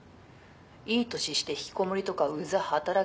「いい年して引きこもりとかうざっ働けや」